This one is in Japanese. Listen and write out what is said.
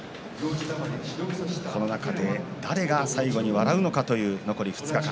この中で誰が最後に笑うのかという残り２日間